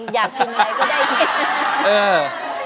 อยากกินอะไรก็ได้